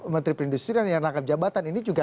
menteri perindustrian yang rangkap jabatan ini juga